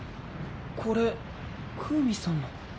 これクウミさんの。